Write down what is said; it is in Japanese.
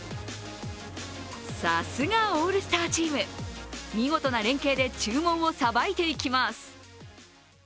さすがオールスターチーム、見事な連係で注文をさばいていきます。